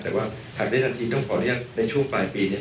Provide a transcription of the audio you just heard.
แต่ว่าทำได้ทันทีต้องขออนุญาตในช่วงปลายปีเนี่ย